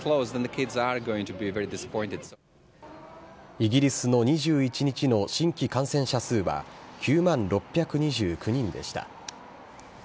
イギリスの２１日の新規感染者数は、９万６２９人でした。